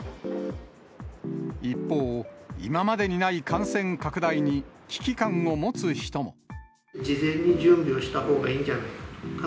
一方、今までにない感染拡大に危機感を持つ人も。